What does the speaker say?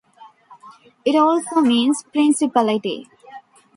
It also means "principality".